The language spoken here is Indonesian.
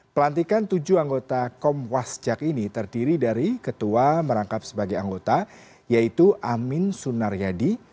pelantikan tujuh anggota komwasjak ini terdiri dari ketua merangkap sebagai anggota yaitu amin sunaryadi